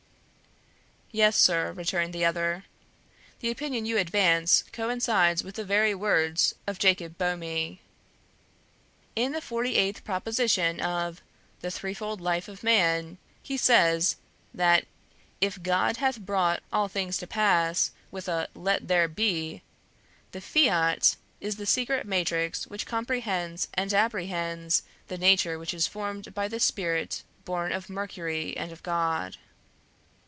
"Yes, sir," returned the other. "The opinion you advance coincides with the very words of Jacob Boehme. In the forty eighth proposition of The Threefold Life of Man he says that 'if God hath brought all things to pass with a LET THERE BE, the FIAT is the secret matrix which comprehends and apprehends the nature which is formed by the spirit born of Mercury and of God.'"